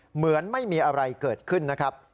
เหมือนไม่มีอะไรเกิดขึ้นนะครับ